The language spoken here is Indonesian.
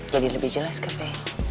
jadi lebih jelas ke be